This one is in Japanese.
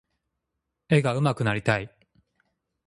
絵が上手くなりたい。